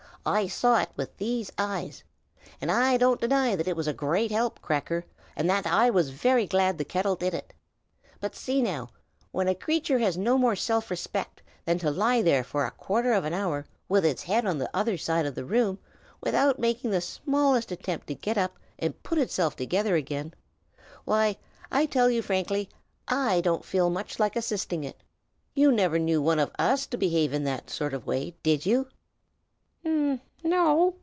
"I saw it with these eyes. And I don't deny that it was a great help, Cracker, and that I was very glad the kettle did it. But see, now! when a creature has no more self respect than to lie there for a quarter of an hour, with its head on the other side of the room, without making the smallest attempt to get up and put itself together again, why, I tell you frankly I don't feel much like assisting it. You never knew one of us to behave in that sort of way, did you, now?" "N n no!"